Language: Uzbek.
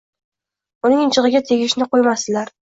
Uning jigʻiga tegishni qoʻymasdilar.